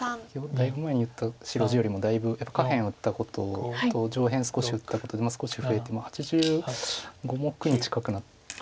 だいぶ前に言った白地よりもだいぶ下辺を打ったことと上辺少し打ったことで少し増えて８５目に近くなってます。